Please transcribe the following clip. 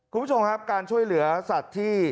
คุณผู้ชมครับการช่วยเหลือสัตว์ที่